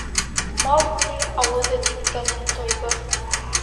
— Маугли ауыҙы кипкәнен тойҙо.